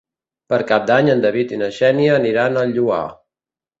Per Cap d'Any en David i na Xènia aniran al Lloar.